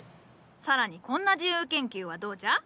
更にこんな自由研究はどうじゃ？